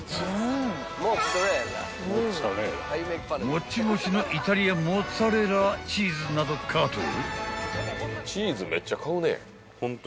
［もっちもちのイタリアモッツァレラチーズなどカートへ］